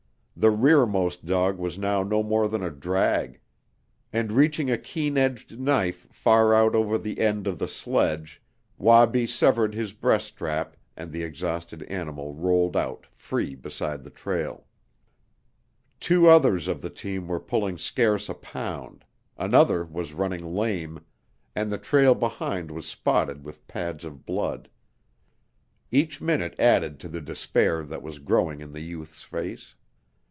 The rearmost dog was now no more than a drag, and reaching a keen edged knife far out over the end of the sledge Wabi severed his breast strap and the exhausted animal rolled out free beside the trail. Two others of the team were pulling scarce a pound, another was running lame, and the trail behind was spotted with pads of blood. Each minute added to the despair that was growing in the youth's face.